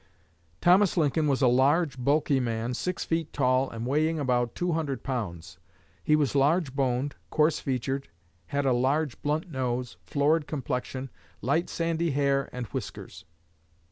Thomas Lincoln was a large, bulky man, six feet tall and weighing about two hundred pounds. He was large boned, coarse featured, had a large blunt nose, florid complexion, light sandy hair and whiskers.